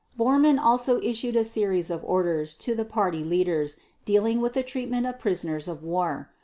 Bormann also issued a series of orders to the Party leaders dealing with the treatment of prisoners of war.